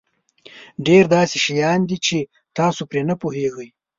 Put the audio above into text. ډېر داسې شیان دي چې تاسو پرې نه پوهېږئ.